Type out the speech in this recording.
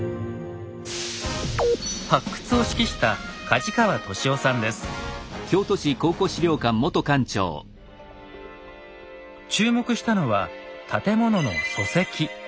発掘を指揮した注目したのは建物の礎石。